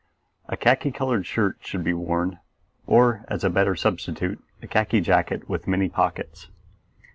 A khaki colored shirt should be worn, or, as a better substitute, a khaki jacket with many pockets.